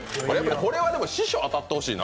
これは師匠、当たってほしいな。